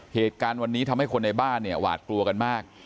เหตุการณ์วันนี้ทำให้คนในบ้านเนี่ยหวาดกลัวกันมาก